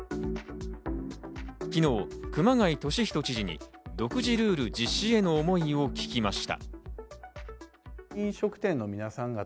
昨日、熊谷俊人知事に独自ルール実施への思いを聞きました。